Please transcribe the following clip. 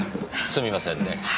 すみませんね。